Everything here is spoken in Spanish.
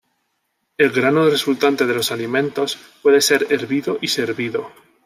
El grano resultante de los alimentos puede ser hervido y servido.